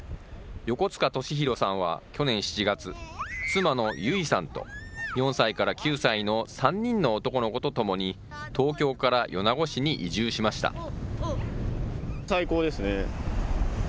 横塚敏洋さんは去年７月、妻のゆいさんと、４歳から９歳の３人の男の子と共に、東京から米子市に移住しました。